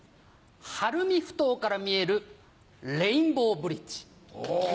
晴海埠頭から見えるレインボーブリッジ。